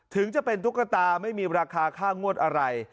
ถึงจะเป็นตุ๊กตาไม่มีราคาค่างวดอะไร